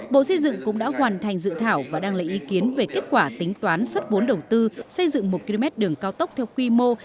bộ xây dựng cũng đã hoàn thành dự thảo và đăng lấy ý kiến về kết quả tính toán xuất vốn đầu tư xây dựng một km đường cao tốc theo quy mô